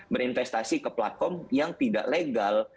berinvestasi ke platform yang tidak legal